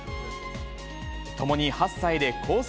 ともに８歳でコース